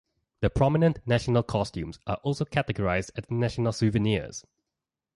The prominent national costumes are also categorized as national souvenirs.